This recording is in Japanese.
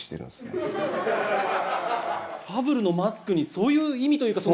ファブルのマスクにそういう意味というか。